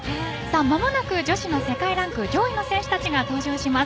まもなく女子の世界ランク上位の選手たちが登場します。